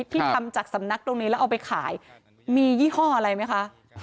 ที่ทำจากสำนักตรงนี้แล้วเอาไปขายมียี่ห้ออะไรไหมคะ